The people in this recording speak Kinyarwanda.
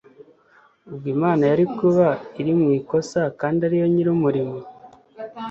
ubwo Imana yari kuba iri mu ikosa, kandi ari yo nyir’umurimo